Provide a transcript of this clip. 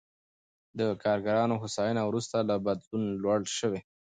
د کارګرانو هوساینه وروسته له بدلون لوړ شوې.